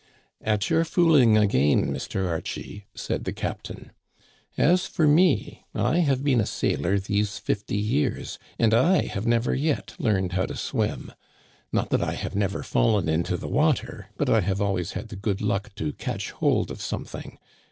At your fooling again, Mr. Archie," said the cap tain. As for me, I have been a sailor these fifty years, and I have never yet learned how to swim. Not that I have never fallen into the water, but I have always had the good luck to catch hold of something.